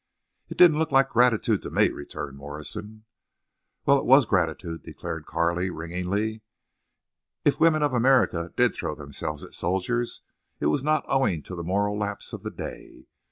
"It didn't look like gratitude to me," returned Morrison. "Well, it was gratitude," declared Carley, ringingly. "If women of America did throw themselves at soldiers it was not owing to the moral lapse of the day.